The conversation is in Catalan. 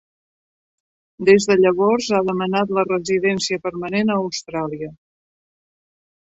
Des de llavors, ha demanat la residència permanent a Austràlia.